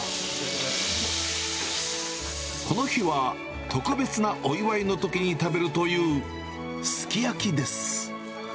この日は特別なお祝いのときに食べるというすき焼きです。